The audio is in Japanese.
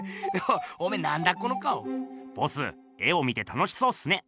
ボス絵を見て楽しそうっすね。